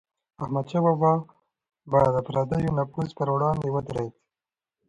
احمدشاه بابا به د پردیو د نفوذ پر وړاندې ودرید.